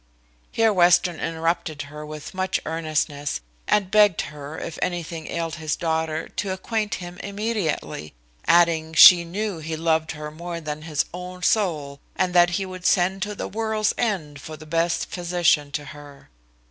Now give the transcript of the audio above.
Here Western interrupted her with much earnestness, and begged her, if anything ailed his daughter, to acquaint him immediately; adding, "she knew he loved her more than his own soul, and that he would send to the world's end for the best physician to her."